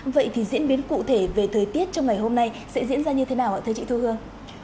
vậy thì diễn biến cụ thể về thời tiết trong ngày hôm nay sẽ diễn ra như thế nào ạ thế chị thu hương